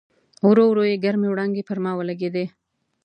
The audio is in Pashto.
ورو ورو یې ګرمې وړانګې پر ما ولګېدې.